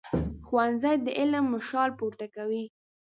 ښوونځی د علم مشال پورته کوي